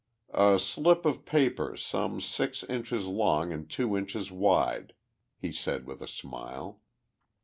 "A slip of paper some six inches long and two inches wide," he said, with a smile.